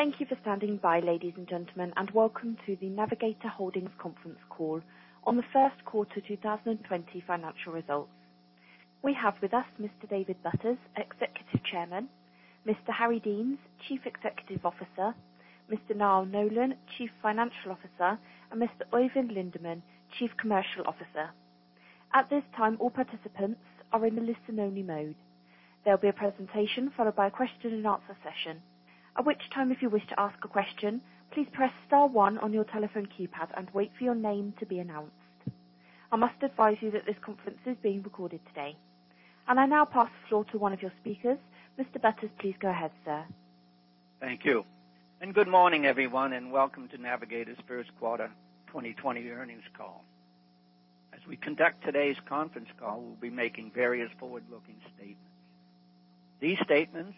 Thank you for standing by, ladies and gentlemen, welcome to the Navigator Holdings conference call on the first quarter 2020 financial results. We have with us Mr. David Butters, Executive Chairman, Mr. Harry Deans, Chief Executive Officer, Mr. Niall Nolan, Chief Financial Officer, and Mr. Oeyvind Lindeman, Chief Commercial Officer. At this time, all participants are in the listen-only mode. There'll be a presentation followed by a question and answer session. At which time, if you wish to ask a question, please press star one on your telephone keypad and wait for your name to be announced. I must advise you that this conference is being recorded today. I now pass the floor to one of your speakers. Mr. Butters, please go ahead, sir. Thank you. Good morning, everyone, and welcome to Navigator's first quarter 2020 earnings call. As we conduct today's conference call, we'll be making various forward-looking statements. These statements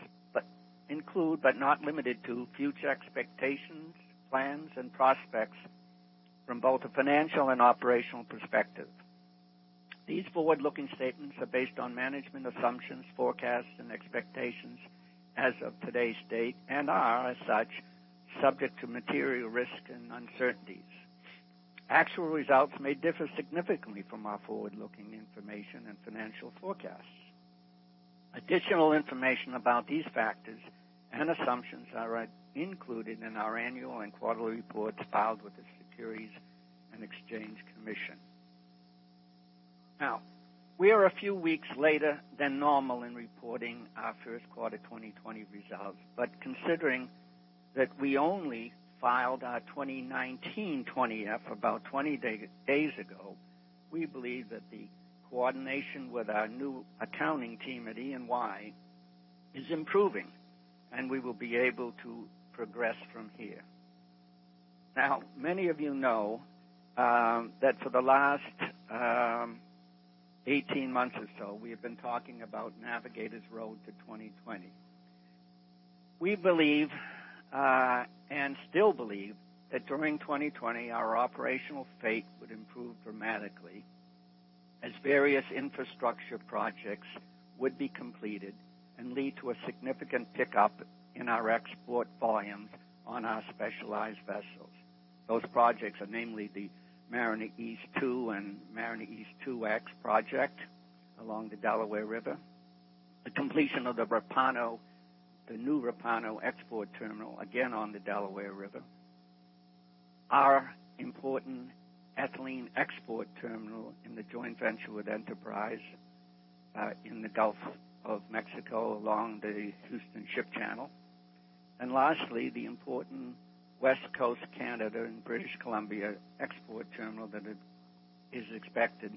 include, but not limited to, future expectations, plans, and prospects from both a financial and operational perspective. These forward-looking statements are based on management assumptions, forecasts, and expectations as of today's date, are, as such, subject to material risk and uncertainties. Actual results may differ significantly from our forward-looking information and financial forecasts. Additional information about these factors and assumptions are included in our annual and quarterly reports filed with the Securities and Exchange Commission. We are a few weeks later than normal in reporting our first quarter 2020 results. Considering that we only filed our 2019 20F about 20 days ago, we believe that the coordination with our new accounting team at EY is improving, and we will be able to progress from here. Many of you know that for the last 18 months or so, we have been talking about Navigator's Road to 2020. We believe, and still believe, that during 2020, our operational fate would improve dramatically as various infrastructure projects would be completed and lead to a significant pickup in our export volumes on our specialized vessels. Those projects are namely the Mariner East II and Mariner East 2X project along the Delaware River, the completion of the new Repauno export terminal, again on the Delaware River, our important ethylene export terminal in the joint venture with Enterprise in the Gulf of Mexico along the Houston Ship Channel. Lastly, the important West Coast Canada and British Columbia export terminal that is expected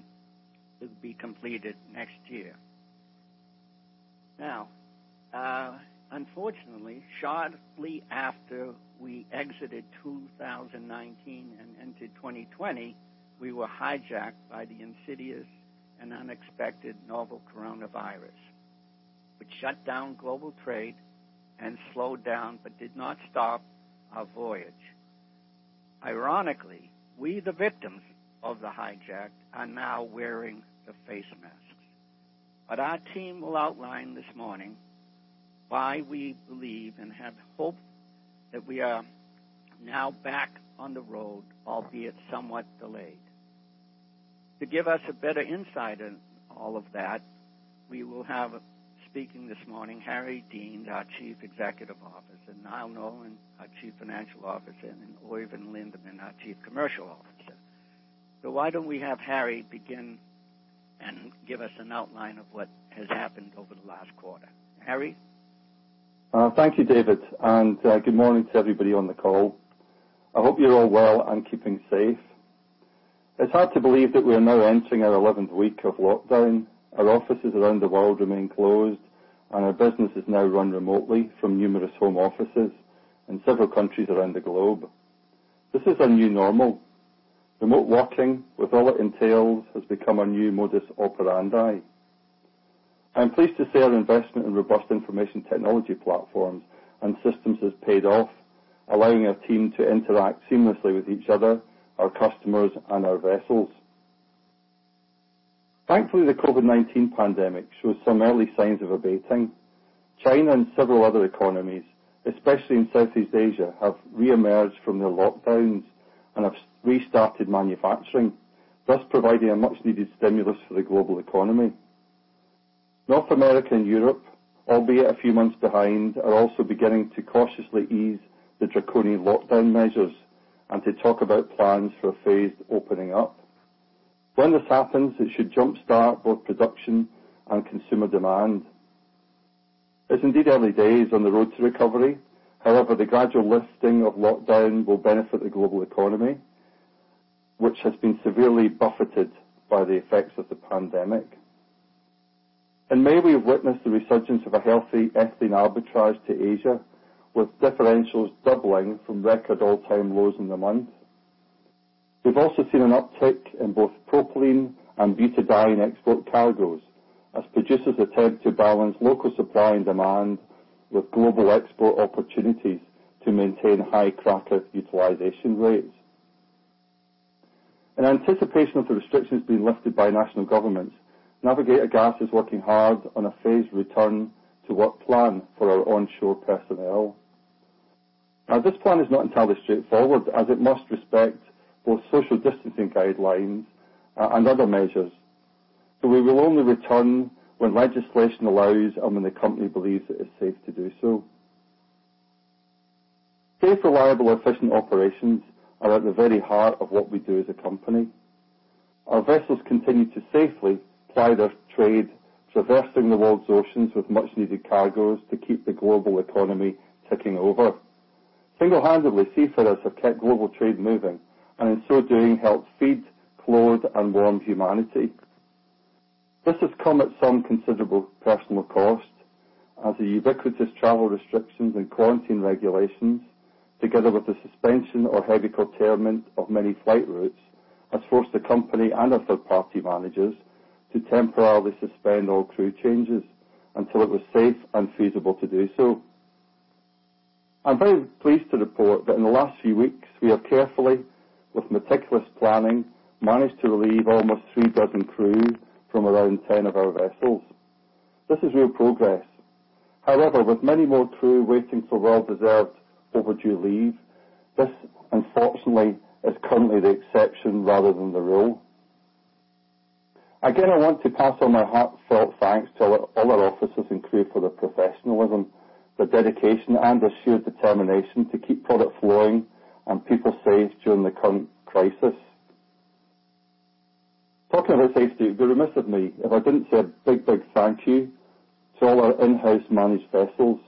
to be completed next year. Unfortunately, shortly after we exited 2019 and entered 2020, we were hijacked by the insidious and unexpected novel coronavirus, which shut down global trade and slowed down, but did not stop our voyage. Ironically, we, the victims of the hijack, are now wearing the face masks. Our team will outline this morning why we believe and have hope that we are now back on the road, albeit somewhat delayed. To give us a better insight in all of that, we will have speaking this morning, Harry Deans, our Chief Executive Officer, Niall Nolan, our Chief Financial Officer, and Oeyvind Lindeman, our Chief Commercial Officer. Why don't we have Harry begin and give us an outline of what has happened over the last quarter. Harry? Thank you, David. Good morning to everybody on the call. I hope you're all well and keeping safe. It's hard to believe that we are now entering our 11th week of lockdown. Our offices around the world remain closed, and our business is now run remotely from numerous home offices in several countries around the globe. This is our new normal. Remote working with all it entails has become our new modus operandi. I am pleased to say our investment in robust information technology platforms and systems has paid off, allowing our team to interact seamlessly with each other, our customers, and our vessels. Thankfully, the COVID-19 pandemic shows some early signs of abating. China and several other economies, especially in Southeast Asia, have reemerged from their lockdowns and have restarted manufacturing, thus providing a much-needed stimulus for the global economy. North America and Europe, albeit a few months behind, are also beginning to cautiously ease the draconian lockdown measures and to talk about plans for a phased opening up. When this happens, it should jumpstart both production and consumer demand. It's indeed early days on the road to recovery. However, the gradual lifting of lockdown will benefit the global economy, which has been severely buffeted by the effects of the pandemic. In May, we have witnessed the resurgence of a healthy ethylene arbitrage to Asia, with differentials doubling from record all-time lows in the month. We've also seen an uptick in both propylene and butadiene export cargos as producers attempt to balance local supply and demand with global export opportunities to maintain high cracker utilization rates. In anticipation of the restrictions being lifted by national governments, Navigator Gas is working hard on a phased return to work plan for our onshore personnel. Now, this plan is not entirely straightforward, as it must respect both social distancing guidelines and other measures. We will only return when legislation allows and when the company believes it is safe to do so. Safe, reliable, efficient operations are at the very heart of what we do as a company. Our vessels continue to safely ply their trade, traversing the world's oceans with much-needed cargos to keep the global economy ticking over. Single-handedly, seafarers have kept global trade moving, and in so doing, helped feed, clothe, and warm humanity. This has come at some considerable personal cost, as the ubiquitous travel restrictions and quarantine regulations, together with the suspension or heavy curtailment of many flight routes, has forced the company and our third-party managers to temporarily suspend all crew changes until it was safe and feasible to do so. I'm very pleased to report that in the last few weeks, we have carefully, with meticulous planning, managed to relieve almost three dozen crew from around 10 of our vessels. This is real progress. However, with many more crew waiting for well-deserved overdue leave, this, unfortunately, is currently the exception rather than the rule. Again, I want to pass on my heartfelt thanks to all our officers and crew for their professionalism, their dedication, and their sheer determination to keep product flowing and people safe during the current crisis. Talking of our safety, it'd be remiss of me if I didn't say a big, big thank you to all our in-house managed vessels,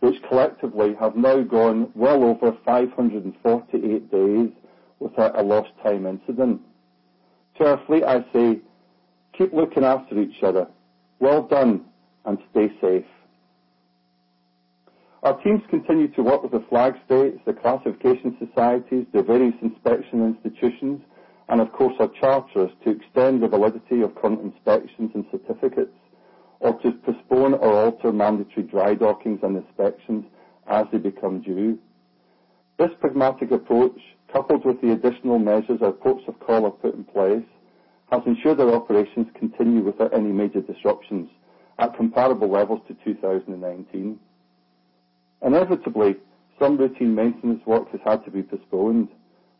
which collectively have now gone well over 548 days without a lost time incident. To our fleet, I say, keep looking after each other. Well done, stay safe. Our teams continue to work with the flag states, the classification societies, the various inspection institutions, and of course, our charterers to extend the validity of current inspections and certificates, or to postpone or alter mandatory dry dockings and inspections as they become due. This pragmatic approach, coupled with the additional measures our ports of call have put in place, has ensured that operations continue without any major disruptions at comparable levels to 2019. Inevitably, some routine maintenance work has had to be postponed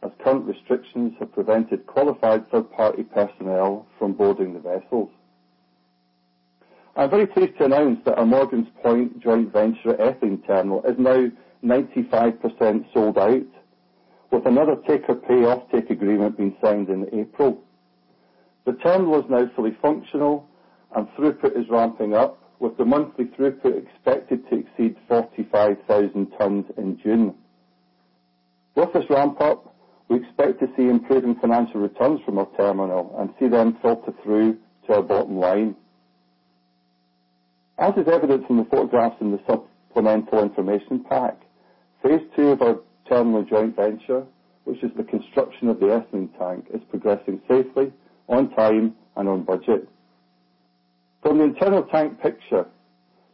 as current restrictions have prevented qualified third-party personnel from boarding the vessels. I'm very pleased to announce that our Morgan's Point joint venture ethylene terminal is now 95% sold out, with another take-or-pay offtake agreement being signed in April. The terminal is now fully functional, and throughput is ramping up, with the monthly throughput expected to exceed 45,000 tons in June. With this ramp-up, we expect to see improving financial returns from our terminal and see them filter through to our bottom line. As is evident from the photographs in the supplemental information pack, phase II of our terminal joint venture, which is the construction of the ethylene tank, is progressing safely, on time, and on budget. From the internal tank picture,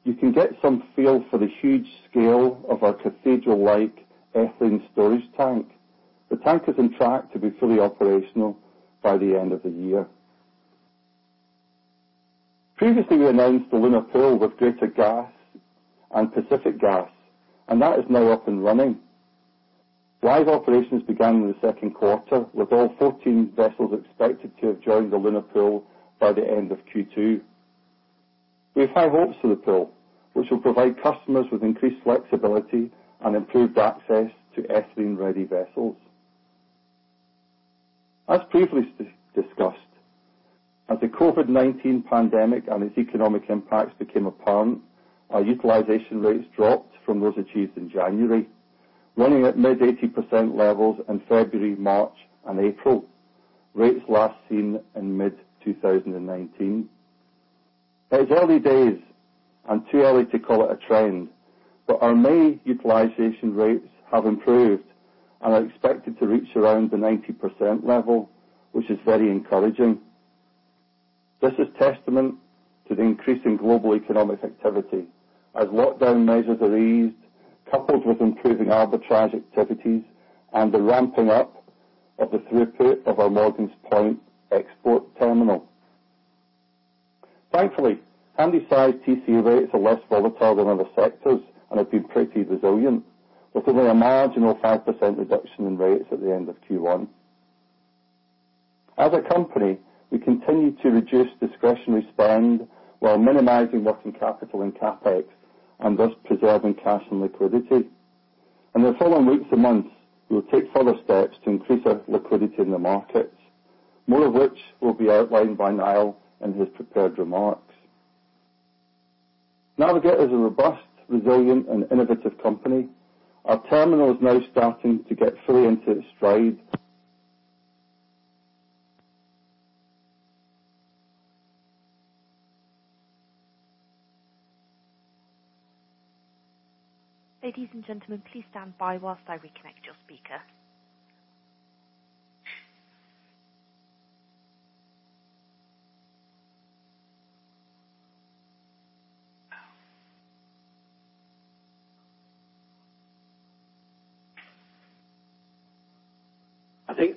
you can get some feel for the huge scale of our cathedral-like ethylene storage tank. The tank is on track to be fully operational by the end of the year. Previously, we announced the Luna Pool with Greater Bay Gas and Pacific Gas, and that is now up and running. Live operations began in the second quarter, with all 14 vessels expected to have joined the Luna Pool by the end of Q2. We have high hopes for the Pool, which will provide customers with increased flexibility and improved access to ethylene-ready vessels. As previously discussed, as the COVID-19 pandemic and its economic impacts became apparent, our utilization rates dropped from those achieved in January, running at mid-80% levels in February, March, and April, rates last seen in mid-2019. It is early days, and too early to call it a trend, but our May utilization rates have improved and are expected to reach around the 90% level, which is very encouraging. This is testament to the increasing global economic activity as lockdown measures are eased, coupled with improving arbitrage activities and the ramping up of the throughput of our Morgan's Point export terminal. Thankfully, handysize TC rates are less volatile than other sectors and have been pretty resilient, with only a marginal 5% reduction in rates at the end of Q1. As a company, we continue to reduce discretionary spend while minimizing working capital and CapEx and thus preserving cash and liquidity. In the following weeks and months, we will take further steps to increase our liquidity in the markets, more of which will be outlined by Niall in his prepared remarks. Navigator is a robust, resilient, and innovative company. Our terminal is now starting to get fully into its stride. Ladies and gentlemen, please stand by while I reconnect your speaker.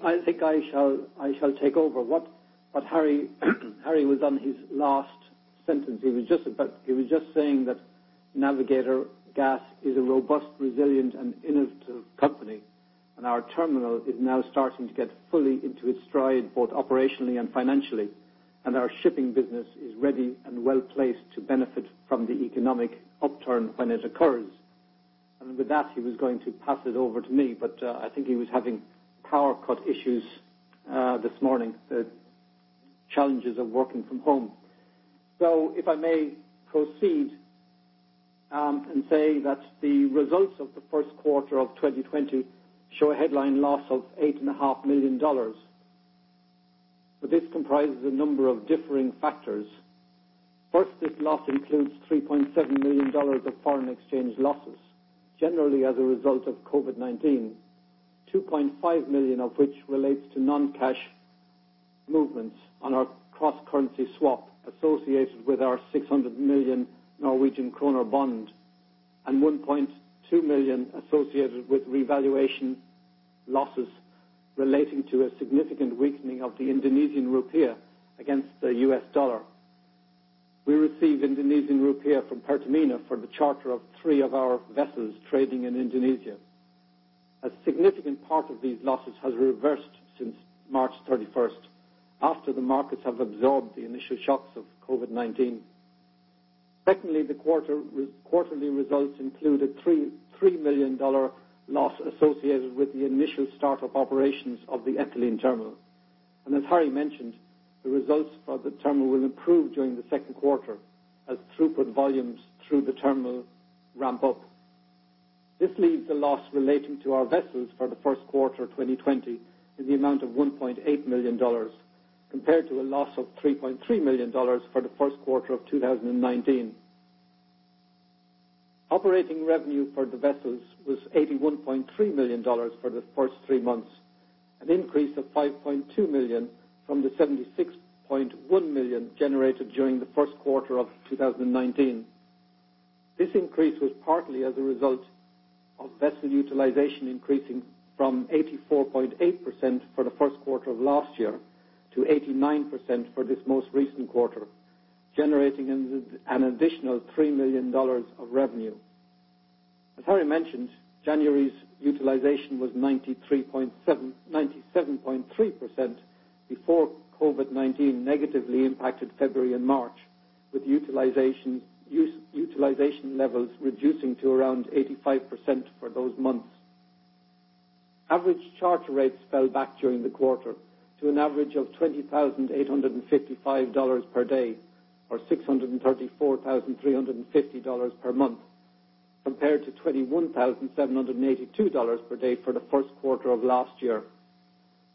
I think I shall take over. Harry was on his last sentence. He was just saying that Navigator Gas is a robust, resilient, and innovative company, and our terminal is now starting to get fully into its stride, both operationally and financially. Our shipping business is ready and well-placed to benefit from the economic upturn when it occurs. With that, he was going to pass it over to me, but I think he was having power cut issues this morning, the challenges of working from home. If I may proceed and say that the results of the first quarter of 2020 show a headline loss of $8.5 million. This comprises a number of differing factors. First, this loss includes $3.7 million of foreign exchange losses, generally as a result of COVID-19. $2.5 million of which relates to non-cash movements on our cross-currency swap associated with our 600 million Norwegian kroner bond, and $1.2 million associated with revaluation losses relating to a significant weakening of the Indonesian rupiah against the US dollar. We receive Indonesian rupiah from Pertamina for the charter of three of our vessels trading in Indonesia. A significant part of these losses has reversed since March 31st, after the markets have absorbed the initial shocks of COVID-19. Secondly, the quarterly results include a $3 million loss associated with the initial startup operations of the ethylene terminal. As Harry mentioned, the results for the terminal will improve during the second quarter as throughput volumes through the terminal ramp up. This leaves the loss relating to our vessels for the first quarter 2020 in the amount of $1.8 million, compared to a loss of $3.3 million for the first quarter of 2019. Operating revenue for the vessels was $81.3 million for the first three months, an increase of $5.2 million from the $76.1 million generated during the first quarter of 2019. This increase was partly as a result of vessel utilization increasing from 84.8% for the first quarter of last year to 89% for this most recent quarter, generating an additional $3 million of revenue. As Harry mentioned, January's utilization was 97.3% before COVID-19 negatively impacted February and March, with utilization levels reducing to around 85% for those months. Average charter rates fell back during the quarter to an average of $20,855 per day or $634,350 per month, compared to $21,782 per day for the first quarter of last year.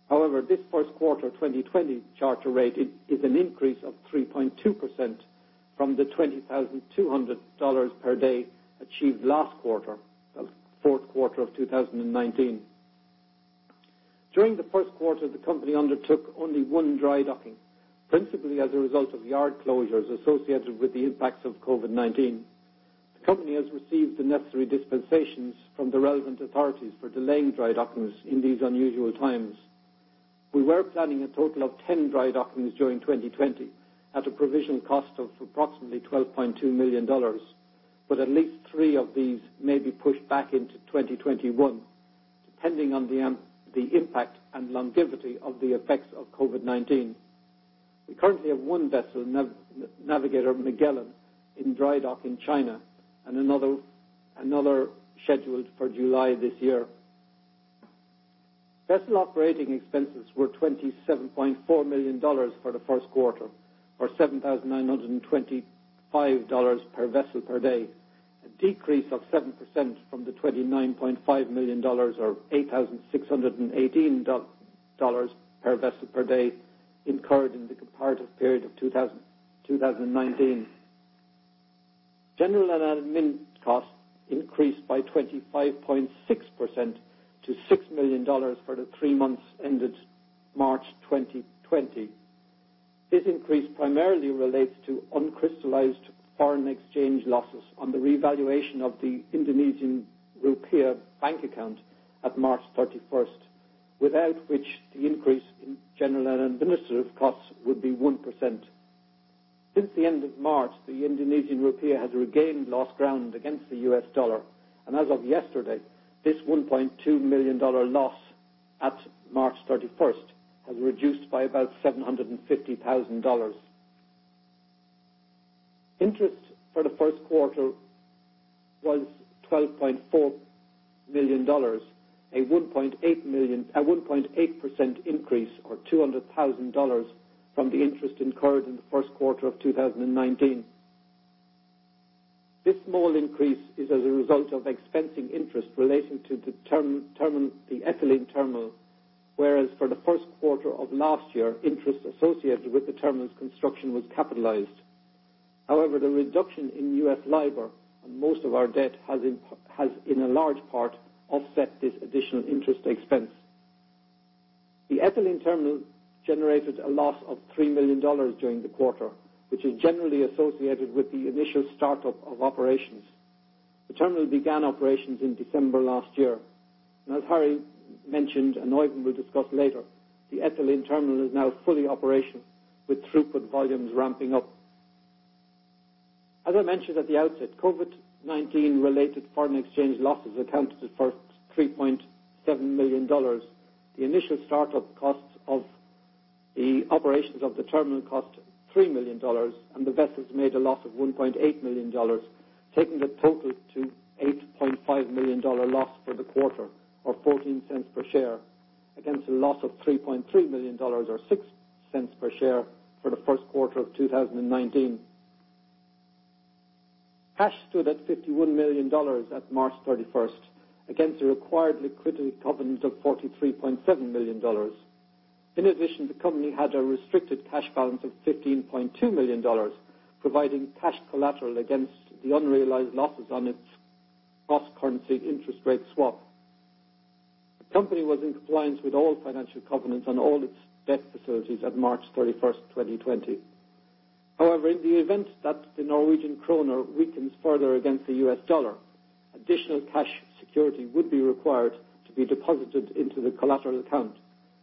However, this first quarter 2020 charter rate is an increase of 3.2% from the $20,200 per day achieved last quarter, the fourth quarter of 2019. During the first quarter, the company undertook only one dry docking, principally as a result of yard closures associated with the impacts of COVID-19. The company has received the necessary dispensations from the relevant authorities for delaying dry dockings in these unusual times. We were planning a total of 10 dry dockings during 2020 at a provision cost of approximately $12.2 million, but at least three of these may be pushed back into 2021, depending on the impact and longevity of the effects of COVID-19. We currently have one vessel, Navigator Magellan, in dry dock in China and another scheduled for July this year. Vessel operating expenses were $27.4 million for the first quarter or $7,925 per vessel per day, a decrease of 7% from the $29.5 million or $8,618 per vessel per day incurred in the comparative period of 2019. General and admin costs increased by 25.6% to $6 million for the three months ended March 2020. This increase primarily relates to uncrystallized foreign exchange losses on the revaluation of the Indonesian rupiah bank account at March 31st, without which the increase in general and administrative costs would be 1%. Since the end of March, the Indonesian rupiah has regained lost ground against the US dollar, and as of yesterday, this $1.2 million loss at March 31st has reduced by about $750,000. Interest for the first quarter was $12.4 million, a 1.8% increase or $200,000 from the interest incurred in the first quarter of 2019. This small increase is as a result of expensing interest relating to the ethylene terminal, whereas for the first quarter of last year, interest associated with the terminal's construction was capitalized. The reduction in US LIBOR on most of our debt has in a large part offset this additional interest expense. The ethylene terminal generated a loss of $3 million during the quarter, which is generally associated with the initial startup of operations. The terminal began operations in December last year. As Harry mentioned, and Oeyvind will discuss later, the ethylene terminal is now fully operational, with throughput volumes ramping up. As I mentioned at the outset, COVID-19 related foreign exchange losses accounted for $3.7 million. The initial startup costs of the operations of the terminal cost $3 million, and the vessels made a loss of $1.8 million, taking the total to $8.5 million loss for the quarter, or $0.14 per share, against a loss of $3.3 million or $0.06 per share for the first quarter of 2019. Cash stood at $51 million at March 31st, against a required liquidity covenant of $43.7 million. In addition, the company had a restricted cash balance of $15.2 million, providing cash collateral against the unrealized losses on its cross-currency interest rate swap. The company was in compliance with all financial covenants on all its debt facilities at March 31st, 2020. However, in the event that the Norwegian kroner weakens further against the US dollar, additional cash security would be required to be deposited into the collateral account,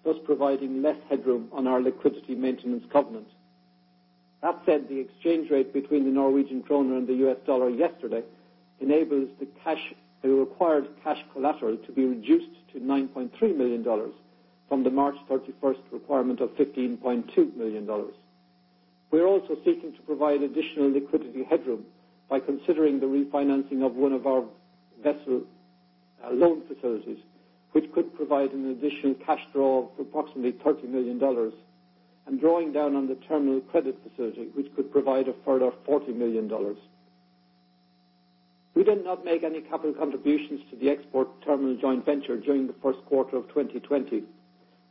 thus providing less headroom on our liquidity maintenance covenant. That said, the exchange rate between the Norwegian kroner and the US dollar yesterday enables the required cash collateral to be reduced to $9.3 million from the March 31st requirement of $15.2 million. We are also seeking to provide additional liquidity headroom by considering the refinancing of one of our vessel loan facilities, which could provide an additional cash draw of approximately $30 million, and drawing down on the terminal credit facility, which could provide a further $40 million. We did not make any capital contributions to the export terminal joint venture during the first quarter of 2020.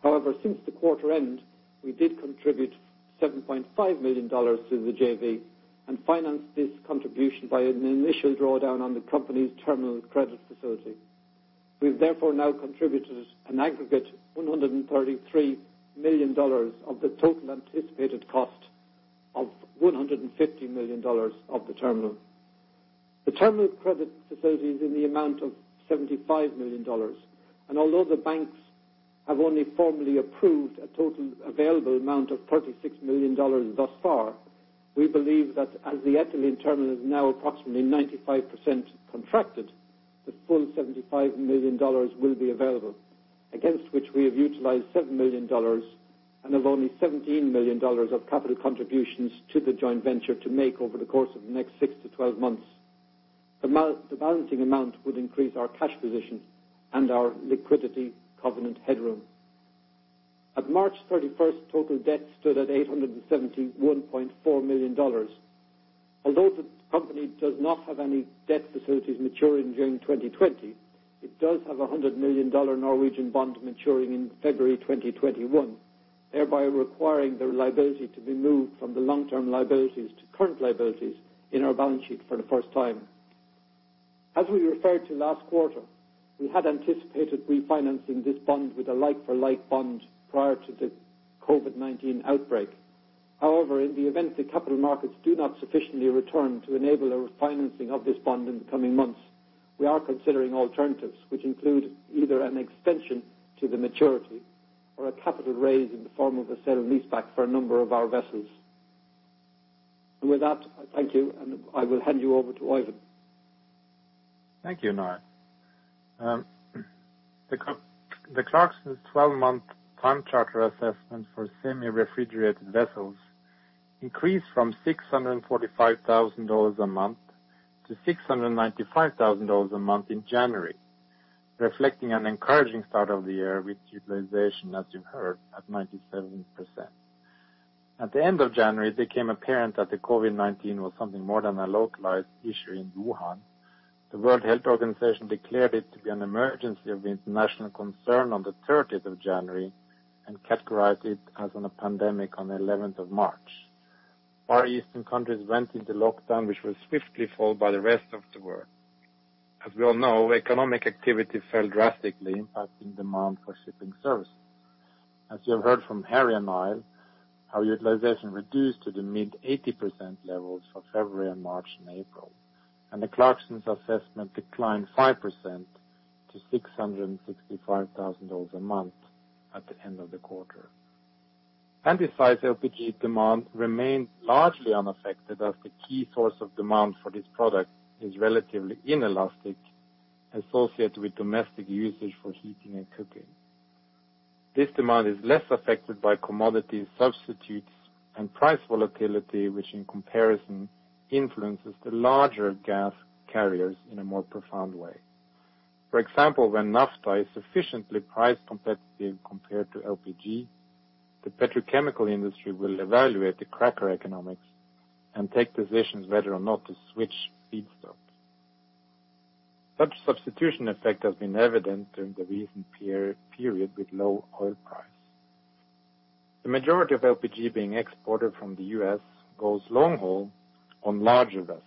However, since the quarter end, we did contribute $7.5 million to the JV and financed this contribution by an initial drawdown on the company's terminal credit facility. We've therefore now contributed an aggregate $133 million of the total anticipated cost of $150 million of the terminal. The terminal credit facility is in the amount of $75 million, and although the banks have only formally approved a total available amount of $36 million thus far, we believe that as the ethylene terminal is now approximately 95% contracted, the full $75 million will be available, against which we have utilized $7 million and have only $17 million of capital contributions to the joint venture to make over the course of the next 6-12 months. The balancing amount would increase our cash position and our liquidity covenant headroom. At March 31st, total debt stood at $871.4 million. Although the company does not have any debt facilities maturing during 2020, it does have $100 million Norwegian bond maturing in February 2021, thereby requiring the liability to be moved from the long-term liabilities to current liabilities in our balance sheet for the first time. As we referred to last quarter, we had anticipated refinancing this bond with a like-for-like bond prior to the COVID-19 outbreak. In the event the capital markets do not sufficiently return to enable a refinancing of this bond in the coming months, we are considering alternatives, which include either an extension to the maturity or a capital raise in the form of a sale and leaseback for a number of our vessels. With that, thank you, and I will hand you over to Oeyvind. Thank you, Niall. The Clarksons 12-month time charter assessment for semi-refrigerated vessels increased from $645,000 a month to $695,000 a month in January, reflecting an encouraging start of the year with utilization, as you've heard, at 97%. At the end of January, it became apparent that the COVID-19 was something more than a localized issue in Wuhan. The World Health Organization declared it to be an emergency of international concern on the 30th of January and categorized it as a pandemic on the 11th of March. Far Eastern countries went into lockdown, which was swiftly followed by the rest of the world. As we all know, economic activity fell drastically, impacting demand for shipping services. As you have heard from Harry and Niall, our utilization reduced to the mid-80% levels for February and March and April, and the Clarksons assessment declined 5% to $665,000 a month at the end of the quarter. Handysize LPG demand remained largely unaffected as the key source of demand for this product is relatively inelastic, associated with domestic usage for heating and cooking. This demand is less affected by commodity substitutes and price volatility, which in comparison, influences the larger gas carriers in a more profound way. For example, when naphtha is sufficiently price competitive compared to LPG, the petrochemical industry will evaluate the cracker economics and take decisions whether or not to switch feedstock. Such substitution effect has been evident during the recent period with low oil price. The majority of LPG being exported from the U.S. goes long haul on larger vessels,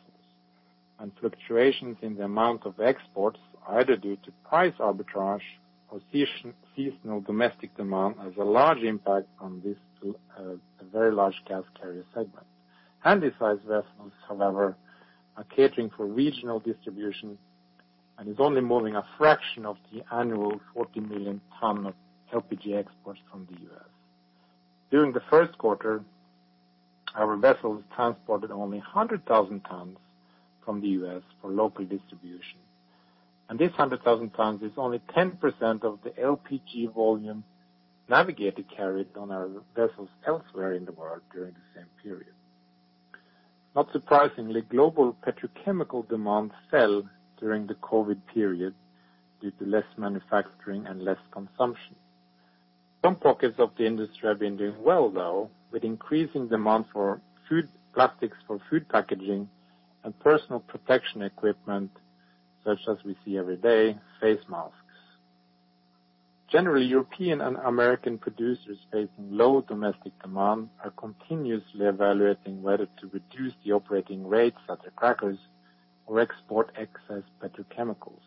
fluctuations in the amount of exports, either due to price arbitrage or seasonal domestic demand, has a large impact on this very large gas carrier segment. Handysize vessels, however, are catering for regional distribution and is only moving a fraction of the annual 40 million tons of LPG exports from the U.S. During the first quarter, our vessels transported only 100,000 tons from the U.S. for local distribution, this 100,000 tons is only 10% of the LPG volume Navigator carried on our vessels elsewhere in the world during the same period. Not surprisingly, global petrochemical demand fell during the COVID period due to less manufacturing and less consumption. Some pockets of the industry have been doing well, though, with increasing demand for plastics for food packaging and personal protection equipment, such as we see every day, face masks. Generally, European and American producers facing low domestic demand are continuously evaluating whether to reduce the operating rates at the crackers or export excess petrochemicals.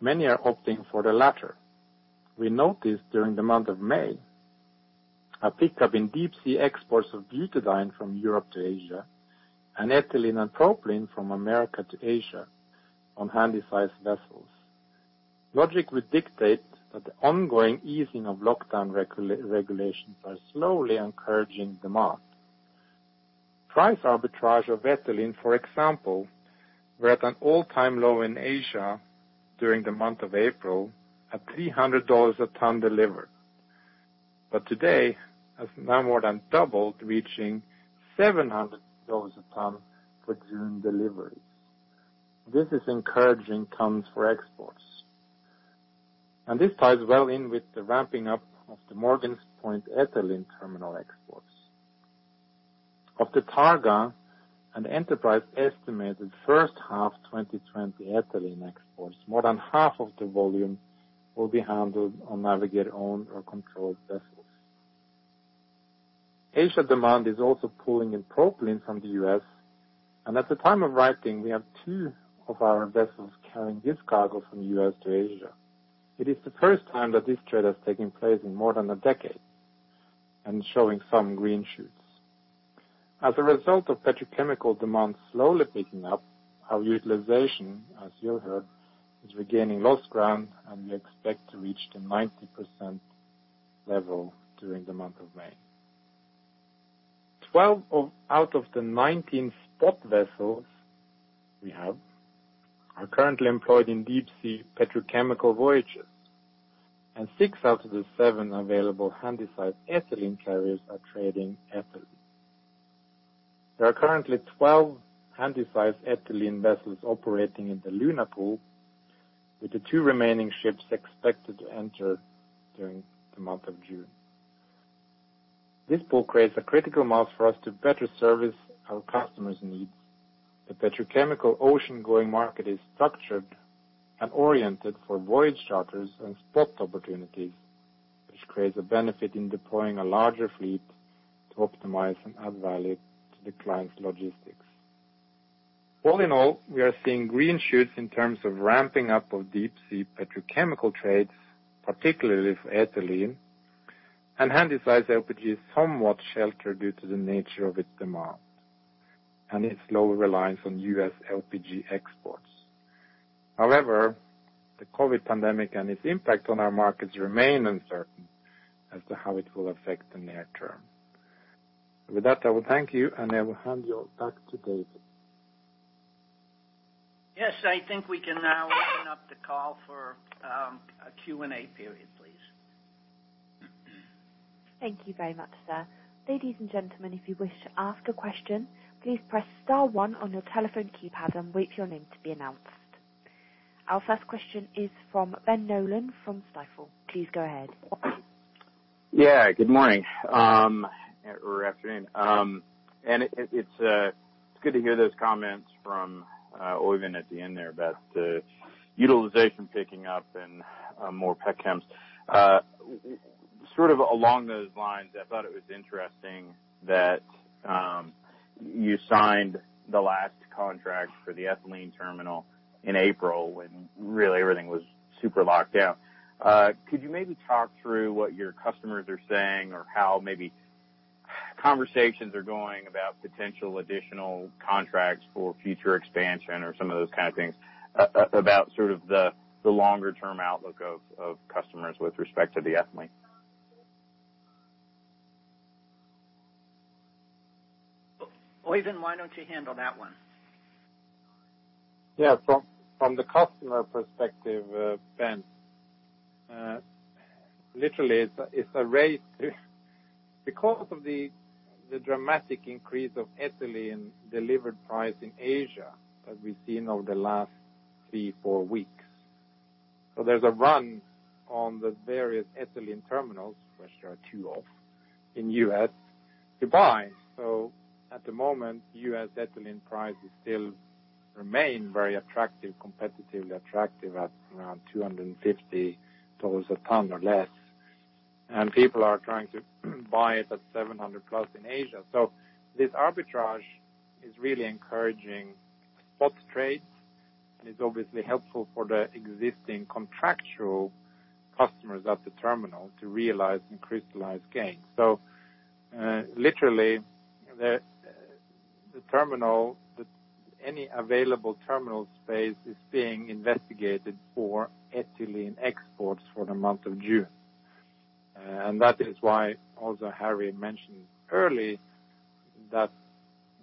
Many are opting for the latter. We noticed during the month of May, a pickup in deep-sea exports of butadiene from Europe to Asia, and ethylene and propylene from America to Asia on handysize vessels. Logic would dictate that the ongoing easing of lockdown regulations are slowly encouraging demand. Price arbitrage of ethylene, for example, were at an all-time low in Asia during the month of April at $300 a ton delivered. Today, has now more than doubled, reaching $700 a ton for June deliveries. This is encouraging tons for exports. This ties well in with the ramping up of the Morgan's Point ethylene terminal exports. Of the Targa and Enterprise estimated first half 2020 ethylene exports, more than half of the volume will be handled on Navigator-owned or controlled vessels. Asia demand is also pulling in propylene from the U.S., and at the time of writing, we have two of our vessels carrying this cargo from the U.S. to Asia. It is the first time that this trade has taken place in more than a decade, and showing some green shoots. As a result of petrochemical demand slowly picking up, our utilization, as you heard, is regaining lost ground, and we expect to reach the 90% level during the month of May. 12/19 spot vessels we have are currently employed in deep-sea petrochemical voyages, and six out of the seven available handysize ethylene carriers are trading ethylene. There are currently 12 handysize ethylene vessels operating in the Luna Pool, with the two remaining ships expected to enter during the month of June. This pool creates a critical mass for us to better service our customers' needs. The petrochemical ocean-going market is structured and oriented for voyage charters and spot opportunities, which creates a benefit in deploying a larger fleet to optimize and add value to the client's logistics. All in all, we are seeing green shoots in terms of ramping up of deep-sea petrochemical trades, particularly for ethylene, and handysize LPG is somewhat sheltered due to the nature of its demand, and its lower reliance on U.S. LPG exports. The COVID pandemic and its impact on our markets remain uncertain as to how it will affect the near term. With that, I will thank you, and I will hand you back to David. Yes, I think we can now open up the call for a Q&A period, please. Thank you very much, sir. Ladies and gentlemen, if you wish to ask a question, please press star one on your telephone keypad and wait for your name to be announced. Our first question is from Ben Nolan from Stifel. Please go ahead. Yeah, good morning, or afternoon. It's good to hear those comments from Oeyvind at the end there about the utilization picking up and more petchems. Sort of along those lines, I thought it was interesting that you signed the last contract for the ethylene terminal in April, when really everything was super locked down. Could you maybe talk through what your customers are saying or how maybe conversations are going about potential additional contracts for future expansion or some of those kind of things, about sort of the longer-term outlook of customers with respect to the ethylene? Oeyvind, why don't you handle that one? From the customer perspective, Ben, literally it's a race because of the dramatic increase of ethylene delivered price in Asia that we've seen over the last three, four weeks. There's a run on the various ethylene terminals, which there are two of in U.S. Today, at the moment, U.S. ethylene prices still remain very attractive, competitively attractive at around $250 towards a ton or less. People are trying to buy it at $700 plus in Asia. This arbitrage is really encouraging spot trades and is obviously helpful for the existing contractual customers at the terminal to realize and crystallize gains. Literally, any available terminal space is being investigated for ethylene exports for the month of June. That is why also Harry mentioned early that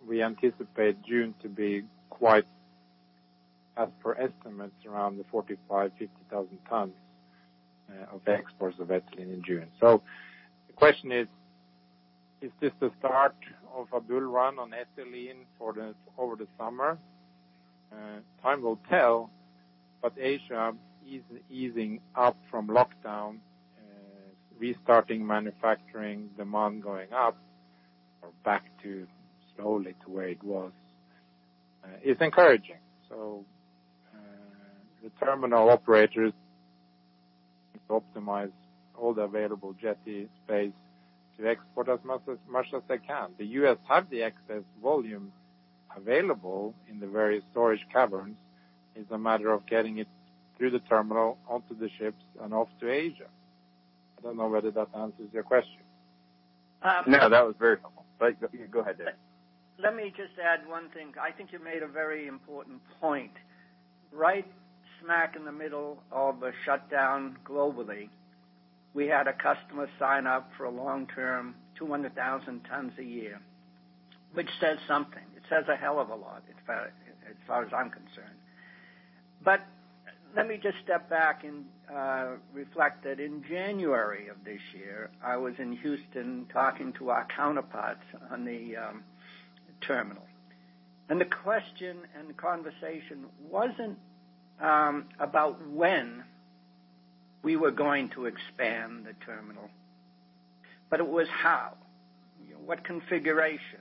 we anticipate June to be quite as per estimates, around the 45,000, 50,000 tons of exports of ethylene in June. The question is: Is this the start of a bull run on ethylene over the summer? Time will tell, Asia is easing up from lockdown, restarting manufacturing, demand going up or back to slowly to where it was. It's encouraging. The terminal operators optimize all the available jetty space to export as much as they can. The U.S. have the excess volume available in the various storage caverns. It's a matter of getting it through the terminal, onto the ships, and off to Asia. I don't know whether that answers your question. No, that was very helpful. Go ahead, David. Let me just add one thing. I think you made a very important point. Right smack in the middle of a shutdown globally, we had a customer sign up for a long-term 200,000 tons a year, which says something. It says a hell of a lot, as far as I'm concerned. Let me just step back and reflect that in January of this year, I was in Houston talking to our counterparts on the terminal. The question and conversation wasn't about when we were going to expand the terminal, but it was how. What configuration?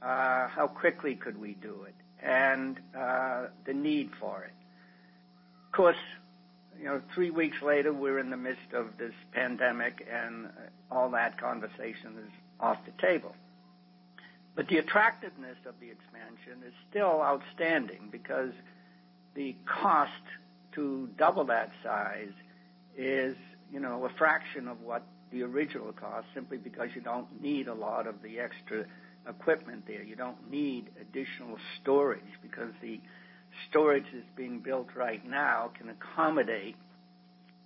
How quickly could we do it? The need for it. Of course, three weeks later, we're in the midst of this pandemic, and all that conversation is off the table. The attractiveness of the expansion is still outstanding because the cost to double that size is a fraction of what the original cost, simply because you don't need a lot of the extra equipment there. You don't need additional storage because the storage that's being built right now can accommodate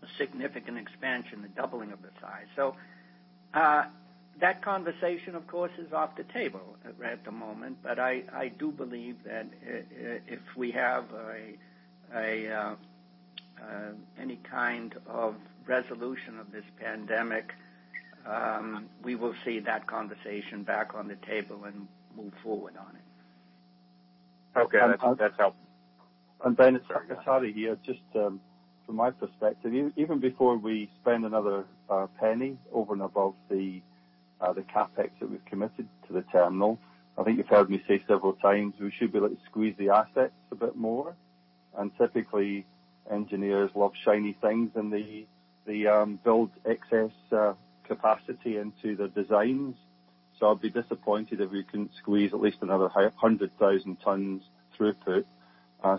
a significant expansion, the doubling of the size. That conversation, of course, is off the table at the moment. I do believe that if we have any kind of resolution of this pandemic, we will see that conversation back on the table and move forward on it. Okay. That's helpful. Ben, it's Harry Deans here. Just from my perspective, even before we spend another penny over and above the CapEx that we've committed to the terminal, I think you've heard me say several times, we should be able to squeeze the assets a bit more. Typically, engineers love shiny things, and they build excess capacity into the designs. I'd be disappointed if we couldn't squeeze at least another 100,000 tons throughput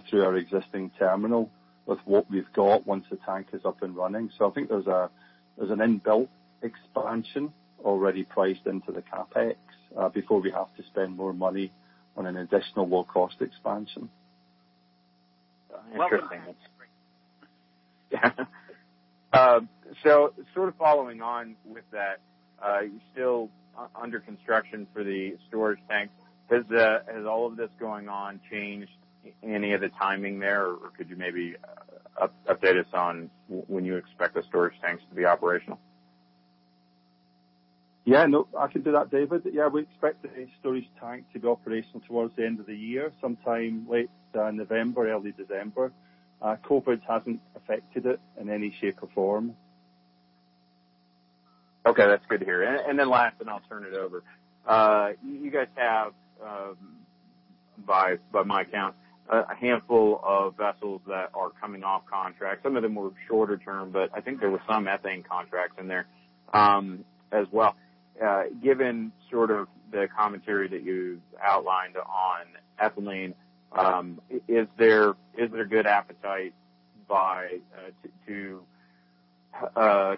through our existing terminal with what we've got once the tank is up and running. I think there's an in-built expansion already priced into the CapEx before we have to spend more money on an additional low-cost expansion. Interesting. Sort of following on with that, you're still under construction for the storage tank. Has all of this going on changed any of the timing there? Could you maybe update us on when you expect the storage tanks to be operational? No, I can do that, David. We expect the storage tank to be operational towards the end of the year, sometime late November, early December. COVID hasn't affected it in any shape or form. Okay. That's good to hear. Last, and I'll turn it over. You guys have, by my count, a handful of vessels that are coming off contract. Some of them were shorter term, but I think there were some ethane contracts in there as well. Given sort of the commentary that you outlined on ethylene, is there good appetite to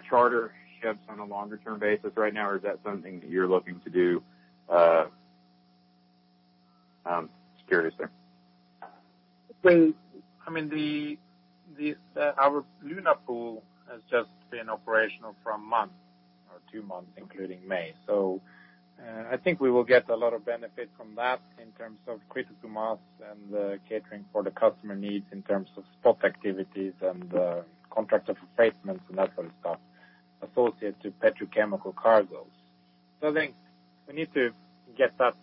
charter ships on a longer term basis right now, or is that something that you're looking to do? Just curious there. I mean, our Luna Pool has just been operational for a month or two months, including May. I think we will get a lot of benefit from that in terms of critical mass and catering for the customer needs in terms of spot activities and contract replacements and that sort of stuff associated to petrochemical cargos. I think we need to get that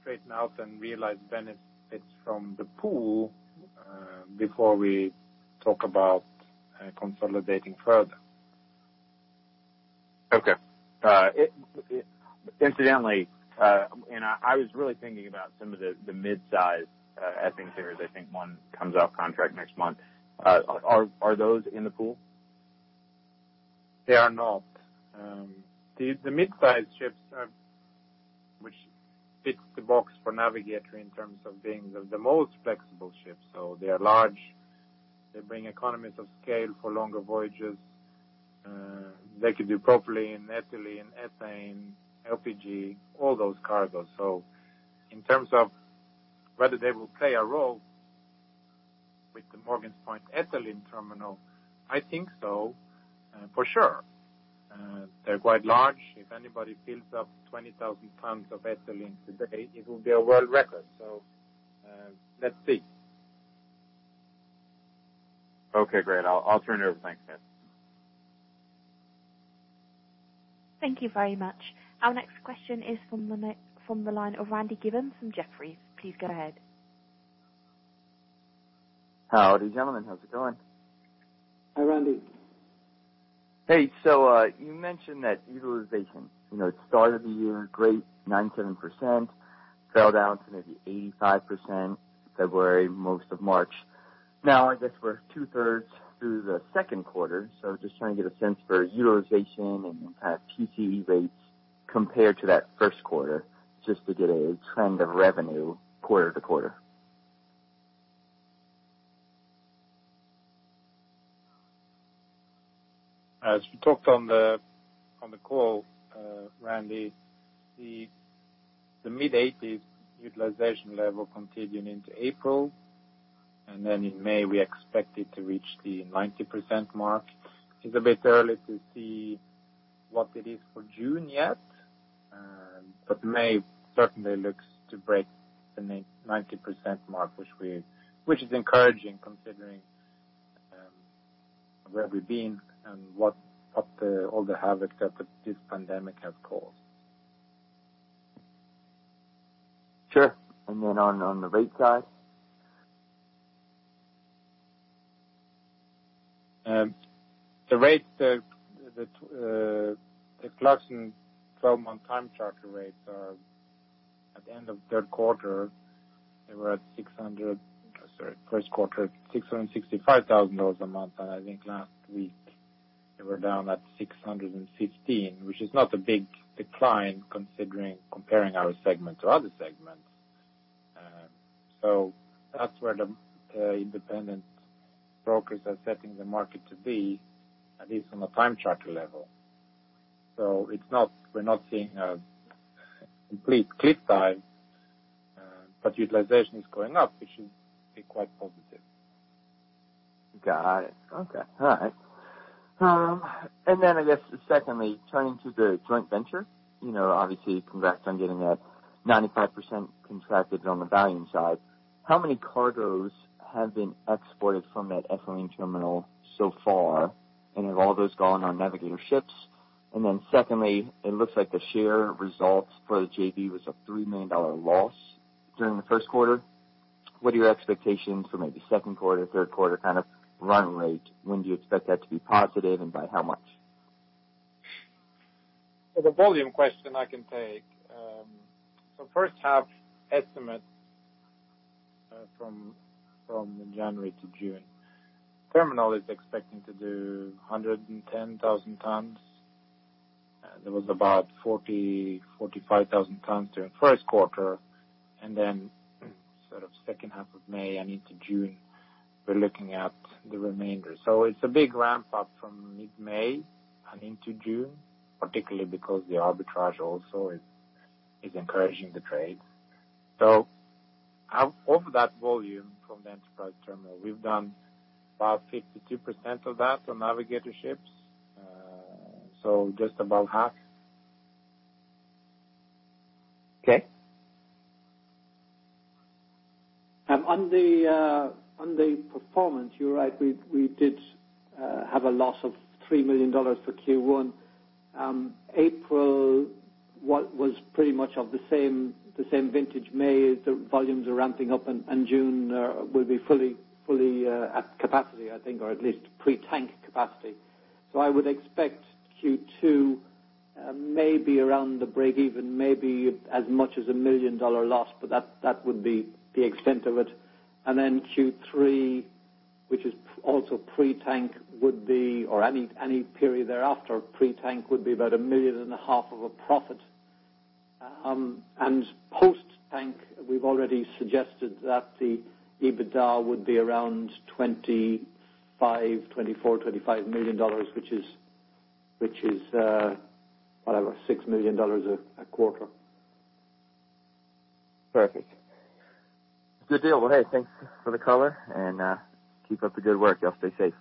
Straighten out and realize benefits from the pool, before we talk about consolidating further. Okay. Incidentally, I was really thinking about some of the midsize ethane carriers. I think one comes off contract next month. Are those in the pool? They are not. The mid-size ships are, which ticks the box for Navigator in terms of being the most flexible ships. They are large, they bring economies of scale for longer voyages. They can do propylene, ethylene, ethane, LPG, all those cargoes. In terms of whether they will play a role with the Morgan's Point ethylene terminal, I think so, for sure. They're quite large. If anybody fills up 20,000 tons of ethylene today, it will be a world record. Let's see. Okay, great. I'll turn it over. Thanks, guys. Thank you very much. Our next question is from the line of Randy Giveans from Jefferies. Please go ahead. Howdy, gentlemen. How's it going? Hi, Randy. Hey. You mentioned that utilization, it started the year great, 97%, fell down to maybe 85% February, most of March. I guess we're two-thirds through the second quarter, just trying to get a sense for utilization and kind of TCE rates compared to that first quarter, just to get a trend of revenue quarter to quarter. As we talked on the call, Randy, the mid-80s utilization level continued into April, and then in May, we expect it to reach the 90% mark. It's a bit early to see what it is for June yet. May certainly looks to break the 90% mark which is encouraging considering where we've been and what all the havoc that this pandemic has caused. Sure. On the rate side? The rate, the Clarksons 12-month time charter rates are at the end of Q1, they were at $665,000 a month, and I think last week they were down at $616,000, which is not a big decline considering comparing our segment to other segments. That's where the independent brokers are setting the market to be, at least from a time charter level. We're not seeing a complete time, but utilization is going up, which is quite positive. Got it. Okay. All right. I guess secondly, turning to the joint venture, obviously congrats on getting that 95% contracted on the volume side. How many cargoes have been exported from that ethylene terminal so far, and have all those gone on Navigator ships? Secondly, it looks like the share results for the JV was a $3 million loss during the first quarter. What are your expectations for maybe second quarter, third quarter kind of run rate? When do you expect that to be positive and by how much? The volume question I can take. First half estimate from January to June. Terminal is expecting to do 110,000 tons. There was about 40,000-45,000 tons during the first quarter. Then sort of second half of May and into June, we're looking at the remainder. It's a big ramp-up from mid-May and into June, particularly because the arbitrage also is encouraging the trade. Of that volume from the Enterprise terminal, we've done about 52% of that on Navigator ships. Just about half. Okay. On the performance, you're right, we did have a loss of $3 million for Q1. April was pretty much of the same vintage. May, the volumes are ramping up, and June will be fully at capacity, I think, or at least pre-tank capacity. I would expect Q2 maybe around the break even, maybe as much as a $1 million loss, but that would be the extent of it. Q3, which is also pre-tank, would be or any period thereafter, pre-tank would be about a million and a half of a profit. Post-tank, we've already suggested that the EBITDA would be around $24 million-$25 million, which is, whatever, $6 million a quarter. Perfect. Good deal. Well, hey, thanks for the color and keep up the good work. You all stay safe.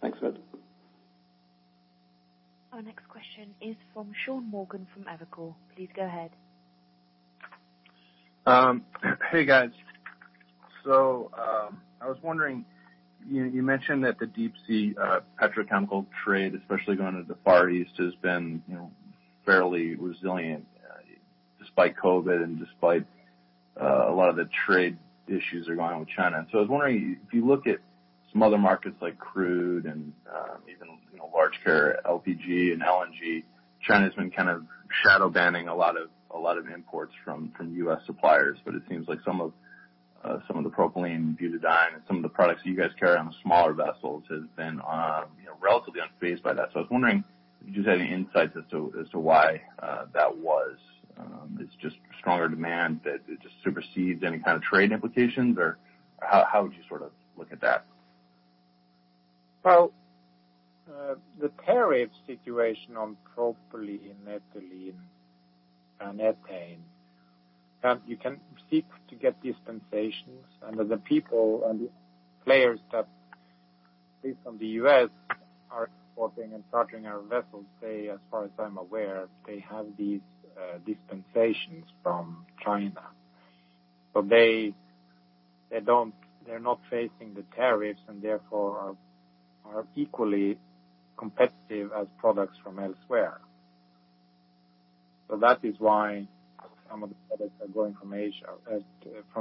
Thanks, man. Our next question is from Sean Morgan from Evercore. Please go ahead. Hey, guys. I was wondering, you mentioned that the deep sea petrochemical trade, especially going to the Far East, has been fairly resilient despite COVID-19 and despite a lot of the trade issues that are going on with China. I was wondering, if you look at some other markets like crude and even large carrier LPG and LNG, China's been kind of shadow banning a lot of imports from U.S. suppliers. It seems like some of the propylene butadiene and some of the products that you guys carry on the smaller vessels has been relatively unfazed by that. I was wondering if you just had any insights as to why that was. It's just stronger demand that it just supersedes any kind of trade implications, or how would you sort of look at that? Well, the tariff situation on propylene, ethylene, and ethane, you can seek to get dispensations. The people and the players that, at least from the U.S. are importing and chartering our vessels, they, as far as I'm aware, they have these dispensations from China. They're not facing the tariffs and therefore are equally competitive as products from elsewhere. That is why some of the products are going from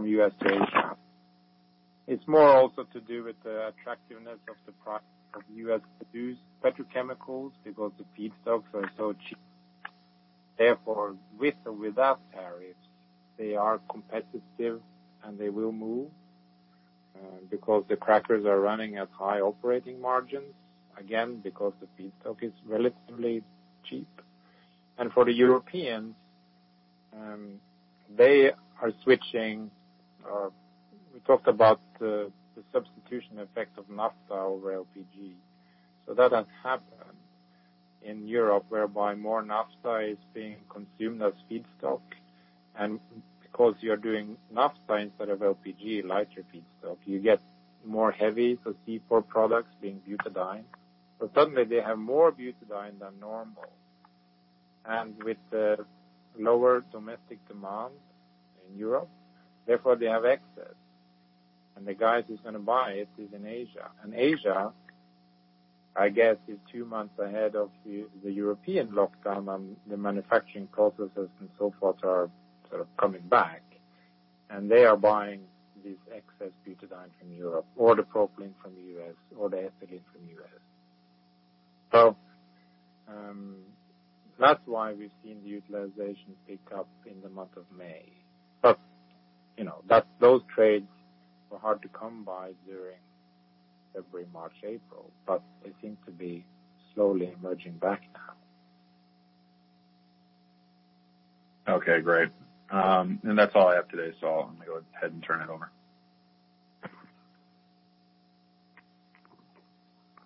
U.S. to Asia. It's more also to do with the attractiveness of the price of U.S.-produced petrochemicals because the feedstocks are so cheap. Therefore, with or without tariffs, they are competitive, and they will move, because the crackers are running at high operating margins, again, because the feedstock is relatively cheap. For the Europeans, they are switching. We talked about the substitution effect of naphtha over LPG. That has happened in Europe whereby more naphtha is being consumed as feedstock. Because you're doing naphtha instead of LPG, lighter feedstock, you get more heavy. C4 products being butadiene. Suddenly they have more butadiene than normal. With the lower domestic demand in Europe, therefore they have excess. The guys who's going to buy it is in Asia. Asia, I guess, is two months ahead of the European lockdown, and the manufacturing processes and so forth are sort of coming back, and they are buying this excess butadiene from Europe, or the propylene from the U.S. or the ethylene from the U.S. That's why we've seen the utilization pick up in the month of May. Those trades were hard to come by during February, March, April. They seem to be slowly emerging back now. Okay, great. That's all I have today, so I'm going to go ahead and turn it over.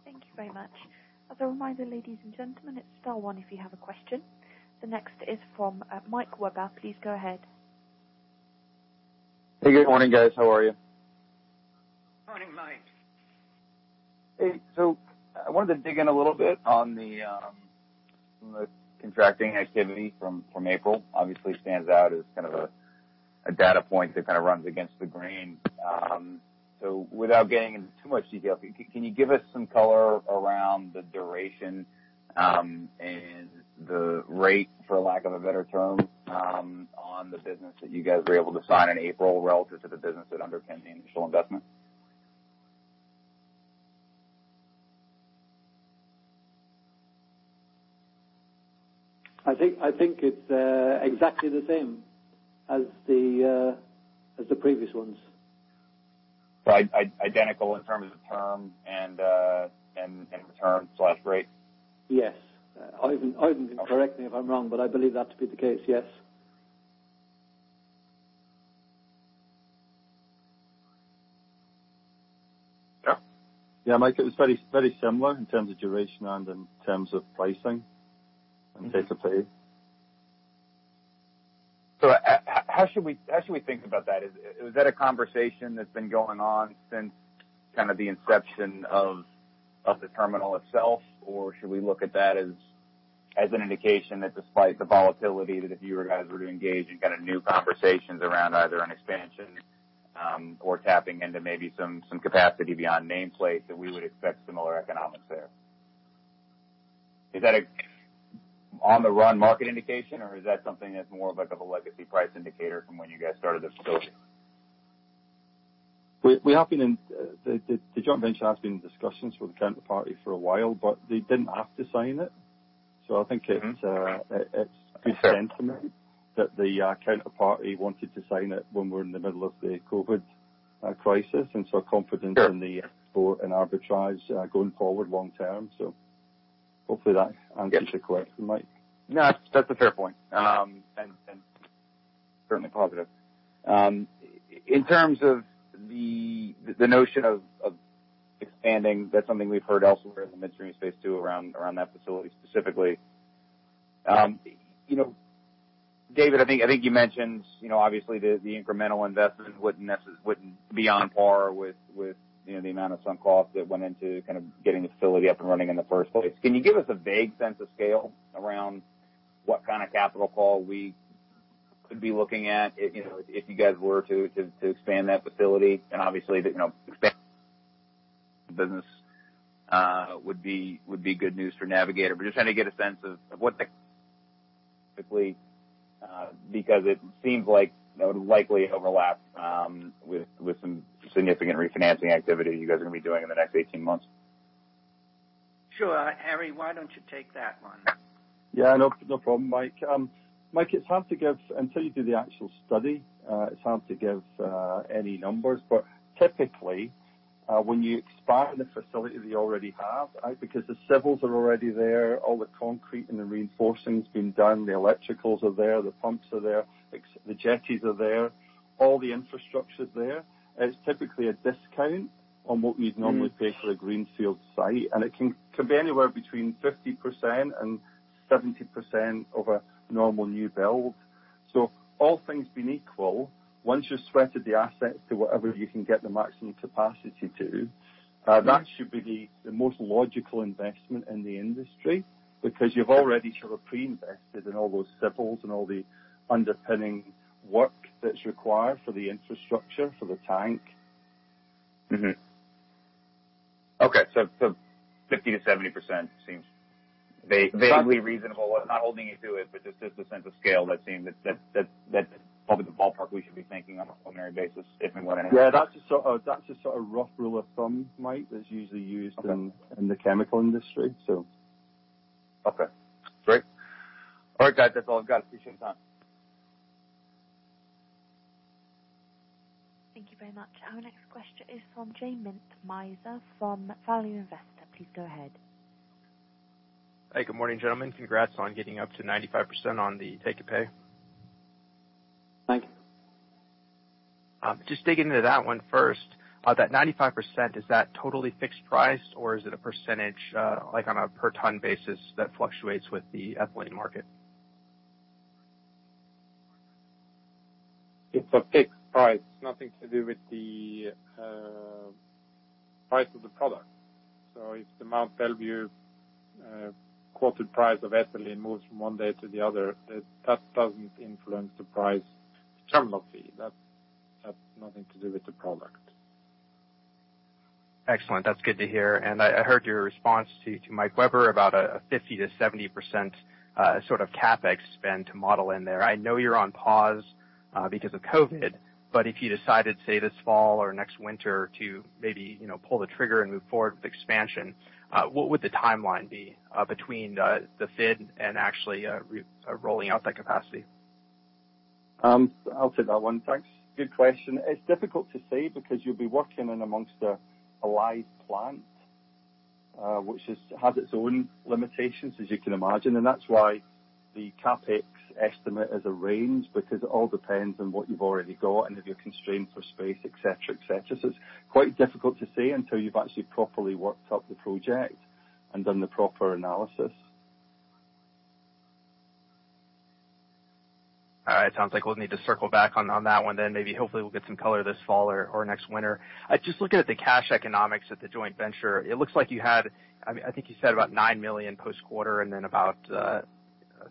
Thank you very much. As a reminder, ladies and gentlemen, it is star one if you have a question. The next is from Mike Webber. Please go ahead. Hey, good morning, guys. How are you? Morning, Mike. I wanted to dig in a little bit on the contracting activity from April. Obviously, it stands out as kind of a data point that kind of runs against the grain. Without getting into too much detail, can you give us some color around the duration and the rate, for lack of a better term, on the business that you guys were able to sign in April relative to the business that underpinned the initial investment? I think it's exactly the same as the previous ones. Identical in terms of term and return/rate? Yes. Oeyvind can correct me if I'm wrong, but I believe that to be the case, yes. Yeah, Mike, it's very similar in terms of duration and in terms of pricing and take-or-pay. How should we think about that? Is that a conversation that's been going on since the inception of the terminal itself? Or should we look at that as an indication that despite the volatility that if you guys were to engage in new conversations around either an expansion, or tapping into maybe some capacity beyond nameplate, that we would expect similar economics there? Is that an on-the-run market indication, or is that something that's more of a legacy price indicator from when you guys started this facility? The joint venture has been in discussions with the counterparty for a while, but they didn't have to sign it. I think it's good sentiment that the counterparty wanted to sign it when we're in the middle of the COVID crisis, and so confidence in the export and arbitrage going forward long term. Hopefully that answers your question, Mike. No, that's a fair point, and certainly positive. In terms of the notion of expanding, that's something we've heard elsewhere in the midstream space too, around that facility specifically. Yeah. David, I think you mentioned obviously the incremental investment wouldn't be on par with the amount of sunk cost that went into kind of getting the facility up and running in the first place. Can you give us a vague sense of scale around what kind of capital call we could be looking at if you guys were to expand that facility? Obviously, business would be good news for Navigator. Just trying to get a sense of what the typically because it seems like it would likely overlap with some significant refinancing activity you guys are going to be doing in the next 18 months. Sure. Harry, why don't you take that one? Yeah. No problem, Mike. Mike, it's hard to give until you do the actual study. It's hard to give any numbers. Typically, when you expand the facility that you already have, because the civils are already there, all the concrete and the reinforcing's been done, the electricals are there, the pumps are there, the jetties are there, all the infrastructure's there. It's typically a discount on what we'd normally pay. For a greenfield site, it can be anywhere between 50% and 70% of a normal new build. All things being equal, once you've sweated the asset to whatever you can get the maximum capacity to. That should be the most logical investment in the industry because you've already sort of pre-invested in all those civils and all the underpinning work that's required for the infrastructure, for the tank. Okay. 50%-70% seems vaguely reasonable. I'm not holding you to it, but just the sense of scale that probably the ballpark we should be thinking on a preliminary basis if and when anything. Yeah. That's a sort of rough rule of thumb, Mike, that's usually used in the chemical industry. Okay. Great. All right, guys. That's all I've got. Appreciate the time. Thank you very much. Our next question is from J Mintzmyer from Value Investor's Edge. Please go ahead. Hey, good morning, gentlemen. Congrats on getting up to 95% on the take-or-pay. Thank you. Just digging into that one first. That 95%, is that totally fixed price or is it a percentage on a per ton basis that fluctuates with the ethylene market? It's a fixed price, nothing to do with the price of the product. If the Mont Belvieu quoted price of ethylene moves from one day to the other, that doesn't influence. That's nothing to do with the product. Excellent. That's good to hear. I heard your response to Mike Webber about a 50%-70% sort of CapEx spend to model in there. I know you're on pause because of COVID, but if you decided, say, this fall or next winter to maybe pull the trigger and move forward with expansion, what would the timeline be between the FID and actually rolling out that capacity? I'll take that one. Thanks. Good question. It's difficult to say because you'll be working in amongst a live plant, which has its own limitations as you can imagine. That's why the CapEx estimate is a range because it all depends on what you've already got and if you're constrained for space, et cetera. It's quite difficult to say until you've actually properly worked up the project and done the proper analysis. All right. Sounds like we'll need to circle back on that one then. Maybe hopefully we'll get some color this fall or next winter. Looking at the cash economics at the joint venture, it looks like you had, I think you said about $9 million post-quarter and then about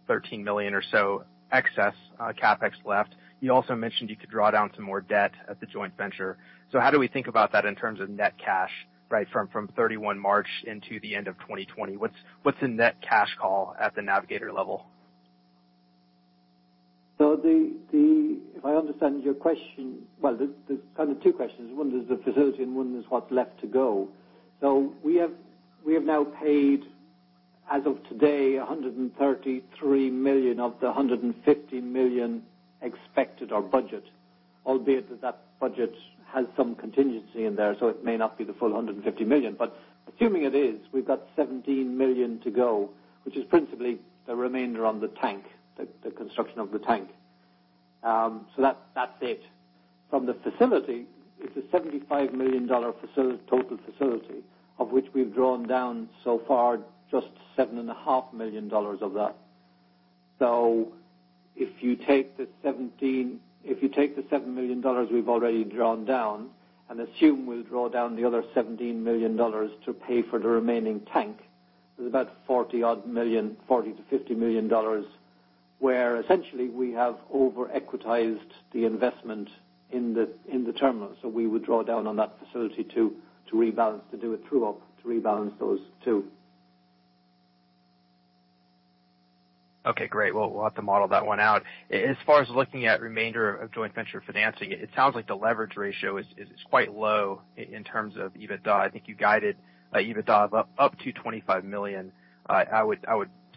$13 million or so excess CapEx left. You also mentioned you could draw down some more debt at the joint venture. How do we think about that in terms of net cash, right, from 31 March into the end of 2020? What's the net cash call at the Navigator level? If I understand your question, well, there's kind of two questions. One is the facility and one is what's left to go. We have now paid, as of today, $133 million of the $150 million expected or budget, albeit that budget has some contingency in there, so it may not be the full $150 million. Assuming it is, we've got $17 million to go, which is principally the remainder on the tank, the construction of the tank. That's it. From the facility, it's a $75 million total facility, of which we've drawn down so far just $7.5 million of that. If you take the $7 million we've already drawn down and assume we'll draw down the other $17 million to pay for the remaining tank, there's about $40 million-$50 million where essentially we have over-equitized the investment in the terminal. We would draw down on that facility to rebalance, to do a true up to rebalance those two. Okay, great. Well, we'll have to model that one out. As far as looking at remainder of joint venture financing, it sounds like the leverage ratio is quite low in terms of EBITDA. I think you guided EBITDA of up to $25 million. I would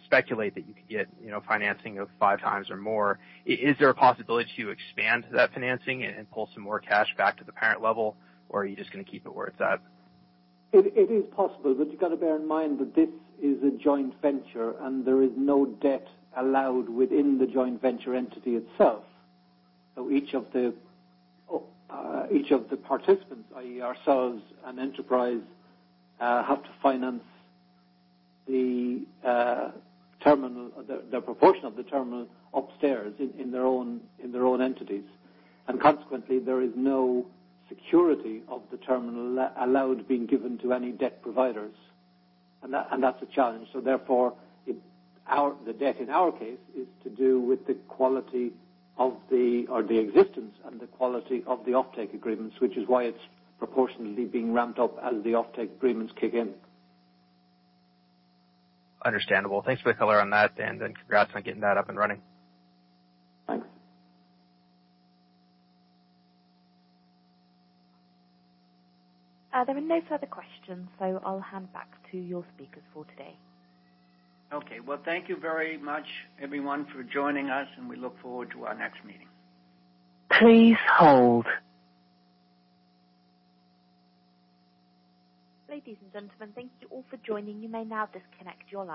speculate that you could get financing of five times or more. Is there a possibility to expand that financing and pull some more cash back to the parent level, or are you just going to keep it where it's at? It is possible, but you've got to bear in mind that this is a joint venture, and there is no debt allowed within the joint venture entity itself. Each of the participants, i.e., ourselves and Enterprise, have to finance their proportion of the terminal upstairs in their own entities. Consequently, there is no security of the terminal allowed being given to any debt providers. That's a challenge. Therefore, the debt in our case is to do with the existence and the quality of the offtake agreements, which is why it's proportionately being ramped up as the offtake agreements kick in. Understandable. Thanks for the color on that. Congrats on getting that up and running. Thanks. There are no further questions, so I'll hand back to your speakers for today. Okay. Well, thank you very much, everyone, for joining us, and we look forward to our next meeting. Please hold. Ladies and gentlemen, thank you all for joining. You may now disconnect your line.